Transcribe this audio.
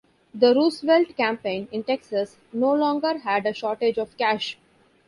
The Roosevelt campaign in Texas no longer had a shortage of cash.